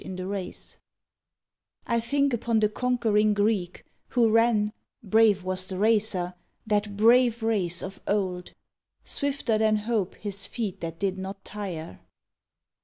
UNQUENCHED. I think upon the conquering Greek who ran (Brave was the racer!) that brave race of old Swifter than hope his feet that did not tire.